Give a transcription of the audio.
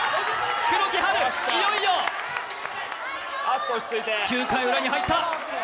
黒木華、いよいよ９回ウラに入った。